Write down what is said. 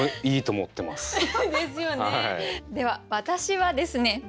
では私はですね